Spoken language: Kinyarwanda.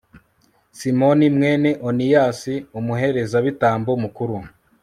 simoni, mwene oniyasi, umuherezabitambo mukuru